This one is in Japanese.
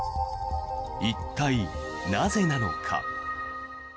一体、なぜなのか。